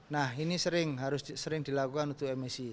nah ini sering harus sering dilakukan untuk emisi